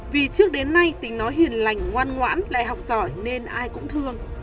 vì trước đến nay tình nó hiền lành ngoan ngoãn lại học giỏi nên ai cũng thương